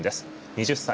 ２０歳。